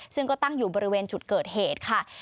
ซึ่งก็ตั้งอยู่บริเวณจุดเกิดเหตุค่ะ